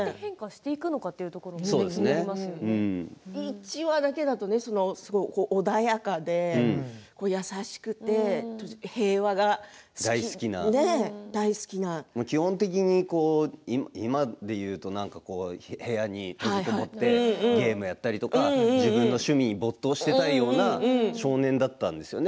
１話だけだと穏やかで基本的に今で言うと部屋に閉じ籠もってゲームをやったりとか自分の趣味に没頭していたいような少年だったんですよね。